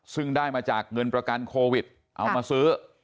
ซึ่งได้มาจากเงินประกันโควิดเอามาซื้อ